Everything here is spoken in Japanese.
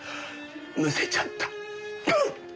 むせちゃった。